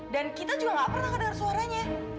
dan kita juga enggak pernah dengar suaranya